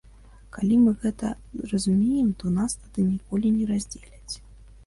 Калі мы гэта зразумеем, то нас тады ніколі не раздзеляць.